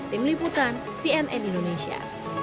tim liputan cnn indonesia